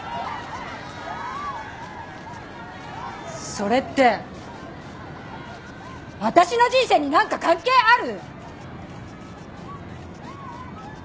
それって私の人生に何か関係ある！？